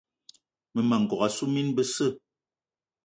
Mmema n'gogué assu mine besse.